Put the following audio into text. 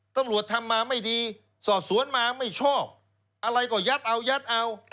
ตำรวจทำมาไม่ดีสอบสวนมาไม่ชอบอะไรก็ยัดเอายัดเอา